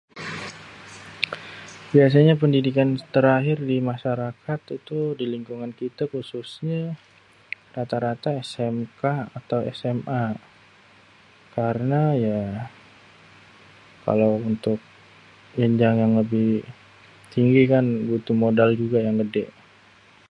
Biasanya pendidikan terakhir di masyarakat itu di lingkungan kitê khususnyê rata-rata SMK atau SMA. Karena ya, kalo untuk jenjang yang lebih tinggi kan butuh modal juga yang gédé.